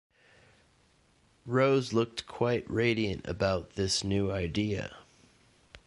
Rose looked quite radiant about this new idea.